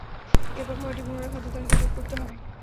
এরপর খাবারটি পুনরায় খাদ্য তালিকায় যোগ করতে হবে।